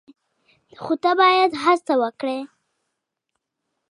خو ته باید هڅه وکړې !